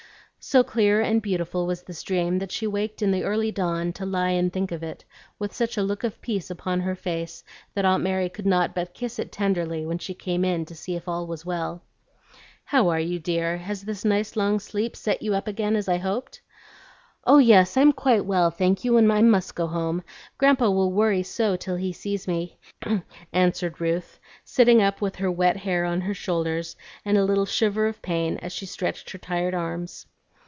So clear and beautiful was this dream that she waked in the early dawn to lie and think of it, with such a look of peace upon her face that Aunt Mary could not but kiss it tenderly when she came in to see if all was well. "How are you, dear? Has this nice long sleep set you up again as I hoped?" "Oh yes, I'm quite well, thank you, and I must go home. Grandpa will worry so till he sees me," answered Ruth, sitting up with her wet hair on her shoulders, and a little shiver of pain as she stretched her tired arms.